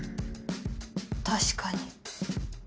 確かに。